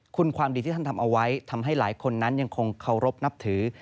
คุณความดีที่ท่านทำเอาไว้ทำให้หลายคนนั้นยังคงเคารพนับถือ